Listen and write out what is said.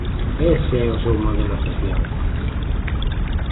Ese é o seu modelo social.